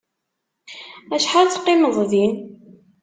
Acḥal teqqimeḍ din?